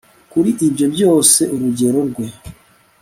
Kuri ibyo byose urugero rwe